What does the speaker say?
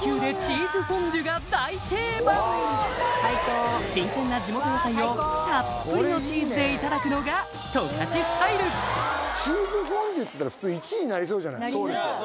いいねこれが大定番新鮮な地元野菜をたっぷりのチーズでいただくのが十勝スタイルチーズフォンデュっていったら普通１位になりそうじゃないそうですね